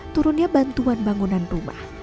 turunnya bantuan bangunan rumah